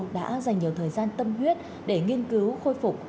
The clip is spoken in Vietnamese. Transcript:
đã dành nhiều thời gian tâm huyết để nghiên cứu khôi phục